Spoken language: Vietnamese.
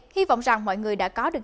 hy vọng rằng mọi người đã có được